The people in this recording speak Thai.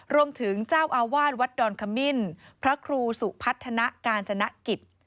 รวมถึงเจ้าอาวาสวัดดอนขมิ้นพระครูสุพัฒนากาญจนกิจ